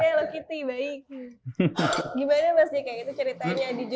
gimana mas jkk itu ceritanya dijelukin mantan preman